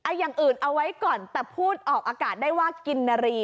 อย่างอื่นเอาไว้ก่อนแต่พูดออกอากาศได้ว่ากินนารี